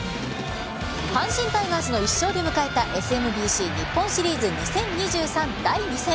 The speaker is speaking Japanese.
阪神タイガースの１勝で迎えたＳＭＢＣ日本シリーズ２０２３第２戦。